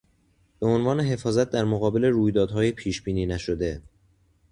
بهعنوان حفاظت در مقابل رویدادهای پیشبینی نشده